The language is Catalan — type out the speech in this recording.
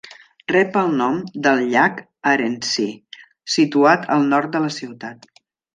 Rep el nom del llac Arendsee, situat al nord de la ciutat.